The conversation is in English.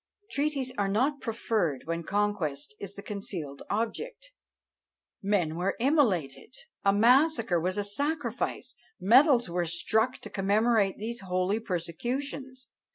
Treaties are not proffered when conquest is the concealed object. Men were immolated! a massacre was a sacrifice! medals were struck to commemorate these holy persecutions!